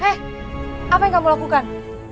hei apa yang kamu lakukan